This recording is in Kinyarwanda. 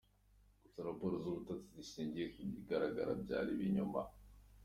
Gusa raporo z’ubutasi zari zishingiye ku byagaragaye ko byari ibinyoma.